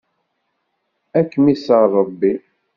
Ad kem-iṣer Ṛebbi.